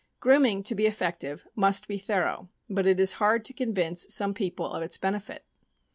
Grooming, to be effective, must be thorough; but it is hard to convince some people of its benefit.